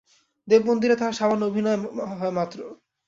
দেব-মন্দিরে তাহার সামান্য অভিনয় হয় মাত্র।